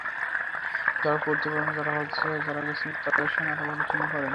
যাঁরা পড়তে পারেন না, তাঁরা হজে যাঁরা গেছেন, তাঁদের সঙ্গে আলাপ-আলোচনা করুন।